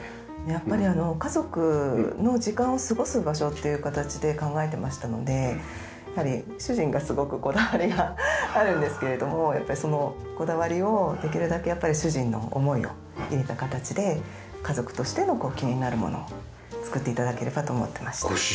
やっぱり家族の時間を過ごす場所っていう形で考えてましたので主人がすごくこだわりがあるんですけれどもやっぱりそのこだわりをできるだけ主人の思いを入れた形で家族としての気になるもの作って頂ければと思ってました。